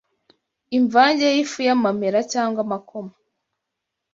Imvange y’ifu y’amamera cyangwa amakoma